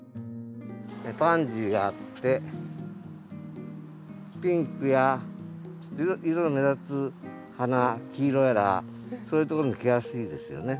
パンジーがあってピンクや色の目立つ花黄色やらそういうところに来やすいですよね。